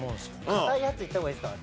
堅いやついった方がいいですか？